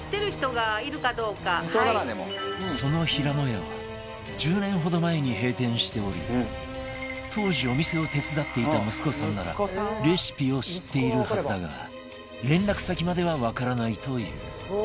そのひらのやは１０年ほど前に閉店しており当時お店を手伝っていた息子さんならレシピを知っているはずだが連絡先まではわからないという